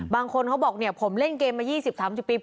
บางคนเขาบอกเนี่ยผมเล่นเกมมา๒๐๓๐ปี